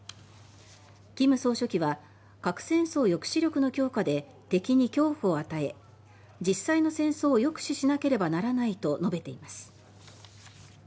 金総書記は核戦争抑止力の強化で敵に恐怖を与え、実際の戦争を抑止しなければなれないと述べています。